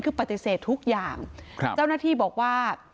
คือปฏิเสธทุกอย่างครับเจ้าหน้าที่บอกว่า